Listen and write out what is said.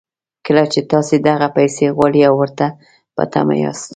کله چې تاسې دغه پيسې غواړئ او ورته په تمه ياست.